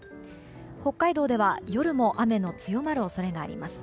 北海道では夜も雨の強まる恐れがあります。